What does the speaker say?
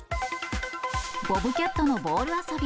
ボブキャットのボール遊び。